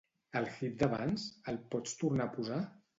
El hit d'abans, el pots tornar a posar?